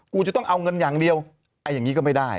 กูจะต้องเอาเงินอย่างเดียวอย่างนี้ก็ไม่ได้